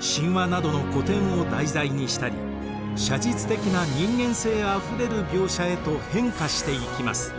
神話などの古典を題材にしたり写実的な人間性あふれる描写へと変化していきます。